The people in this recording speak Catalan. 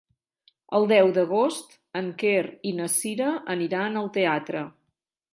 El deu d'agost en Quer i na Cira aniran al teatre.